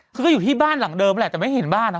คือก็อยู่ที่บ้านหลังเดิมแหละแต่ไม่เห็นบ้านอ่ะ